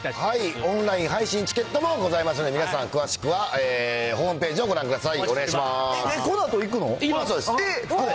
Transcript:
オンライン配信チケットもございますので、皆さん、詳しくはホームページをご覧ください。